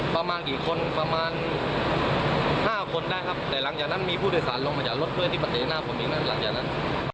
ประมาณกี่คนประมาณ๕คนได้ครับแต่หลังจากนั้นมีผู้โดยสารลงมาจากรถเพื่อนที่มาเตะหน้าผมอีกนะหลังจากนั้น